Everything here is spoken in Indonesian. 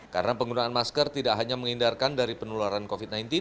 karena penggunaan masker tidak hanya menghindarkan dari penularan covid sembilan belas